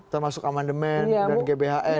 termasuk amandemen dan gbhn